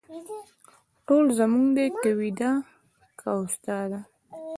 ټوله زموږ دي که ویدا که اوستا ده